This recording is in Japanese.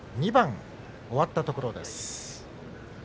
２番終わったところです。